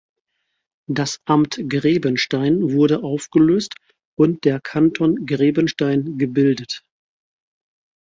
Das Amt Grebenstein wurde aufgelöst und der Kanton Grebenstein gebildet.